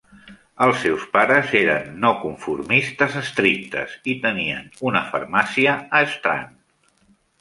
Els seus pares eren no-conformistes estrictes i tenien una farmàcia a Strand.